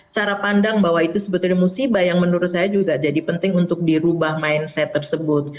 cara pandang bahwa itu sebetulnya musibah yang menurut saya juga jadi penting untuk dirubah mindset tersebut